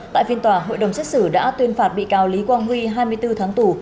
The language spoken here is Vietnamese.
tại phiên tòa hội đồng xét xử đã tuyên phạt bị cáo lý quang huy hai mươi bốn tháng tù